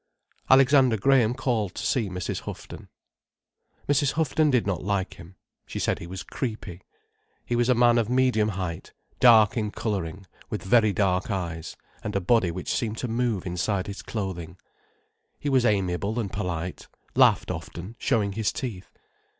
Alexander Graham called to see Mrs. Houghton. Mrs. Houghton did not like him. She said he was creepy. He was a man of medium height, dark in colouring, with very dark eyes, and a body which seemed to move inside his clothing. He was amiable and polite, laughed often, showing his teeth.